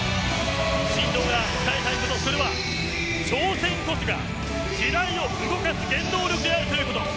神童が伝えたいことそれは挑戦こそが時代を動かす原動力であるということ。